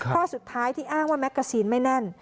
ข้อสุดท้ายที่อ้างว่าแกซีนไม่แน่น